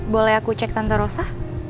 boleh aku cek tante rosa